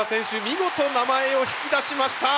見事名前を引き出しました！